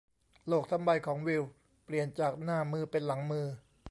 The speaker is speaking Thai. โลกทั้งใบของวิลเปลี่ยนจากหน้ามือเป็นหลังมือ